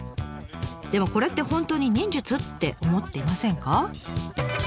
でもこれって本当に忍術？って思っていませんか？